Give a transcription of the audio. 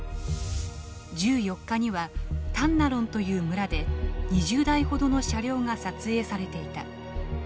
１４日にはタンナロンという村で２０台ほどの車両が撮影されていた。